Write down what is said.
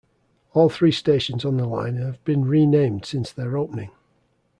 All three stations on the line have been renamed since their opening.